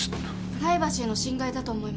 プライバシーの侵害だと思いま。